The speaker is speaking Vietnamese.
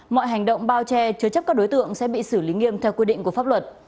mọi hành động bao che chứa chấp các đối tượng sẽ bị xử lý nghiêm theo quy định của pháp luật